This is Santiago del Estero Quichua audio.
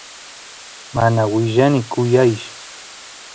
mana willani kuyaysh